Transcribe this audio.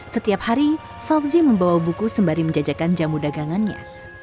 setiap hari fauzi membawa buku sembari menjajakan jamu dagangannya